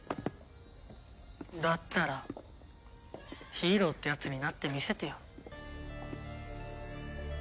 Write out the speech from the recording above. だったらヒーローってやつになってみせてよ。